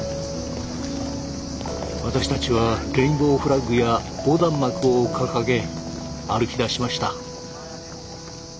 私たちはレインボーフラッグや横断幕を掲げ歩きだしました。